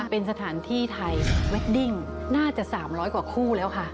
เป็นสถานที่ไทยแวดดิ้งน่าจะ๓๐๐กว่าคู่แล้วค่ะ